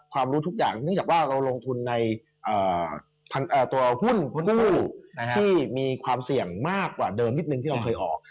รู้ทุกอย่างเนื่องจากว่าเราลงทุนในตัวหุ้นกู้ที่มีความเสี่ยงมากกว่าเดิมนิดนึงที่เราเคยออก